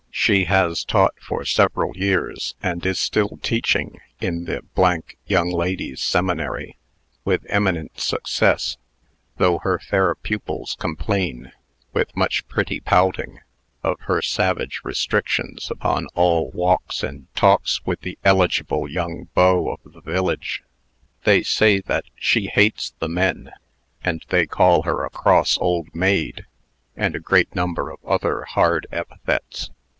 She has taught for several years, and is still teaching in the Young Ladies' Seminary, with eminent success, though her fair pupils complain, with much pretty pouting, of her savage restrictions upon all walks and talks with the eligible young beaux of the village. They say that she hates the men; and they call her a cross old maid, and a great number of other hard epithets.